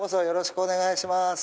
よろしくお願いします